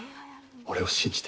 俺を信じて。